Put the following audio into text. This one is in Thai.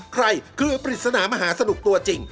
เครือปริศนามหาสนุกตัวจริง